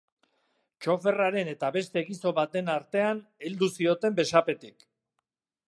Txoferraren eta beste gizon baten artean heldu zioten besapetik.